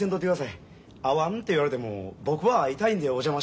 会わんって言われても僕は会いたいんでお邪魔しました。